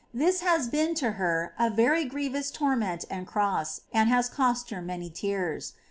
^ This has been to her a very grievous torment and cross, and has cost her many tears.